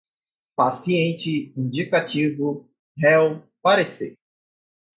paciente, indicativo, réu, parecer